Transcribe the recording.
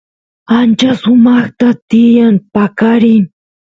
ancha sumaqta tiyan paqarin